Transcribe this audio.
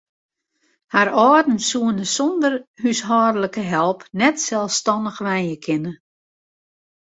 Har âlden soene sonder húshâldlike help net selsstannich wenje kinne.